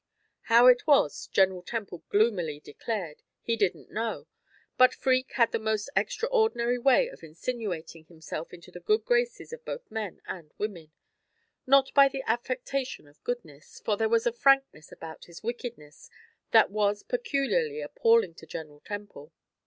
How it was, General Temple gloomily declared, he didn't know, but Freke had the most extraordinary way of insinuating himself into the good graces of both men and women not by any affectation of goodness, for there was a frankness about his wickedness that was peculiarly appalling to General Temple.